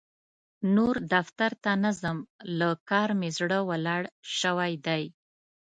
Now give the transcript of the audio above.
نور دفتر ته نه ځم؛ له کار مې زړه ولاړ شوی دی.